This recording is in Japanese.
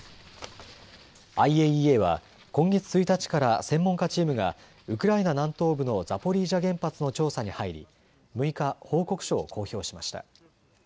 ＩＡＥＡは今月１日から専門家チームがウクライナ南東部のザポリージャ原発の調査に入り６日、報告書を公表しました。